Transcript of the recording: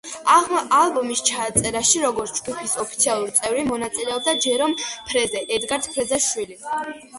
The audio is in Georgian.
ალბომის ჩაწერაში, როგორც ჯგუფის ოფიციალური წევრი, მონაწილეობდა ჯერომ ფრეზე, ედგარ ფრეზეს შვილი.